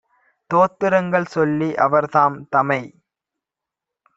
தோத்திரங்கள் சொல்லி அவர்தாம் - தமைச்